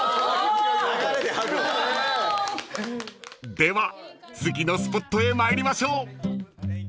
［では次のスポットへ参りましょう］